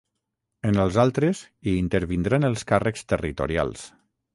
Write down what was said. En els altres, hi intervindran els càrrecs territorials.